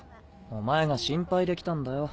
お前が心配で来たんだよ。